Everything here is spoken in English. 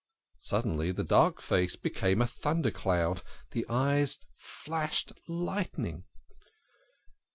Suddenly the dark face became a thunder cloud, the eyes flashed lightning.